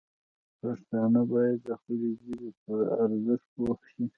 پښتانه باید د خپلې ژبې پر ارزښت پوه شي.